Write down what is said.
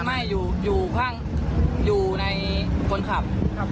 ไฟมันไม่อยู่อยู่ข้างอยู่ในตลคับครับ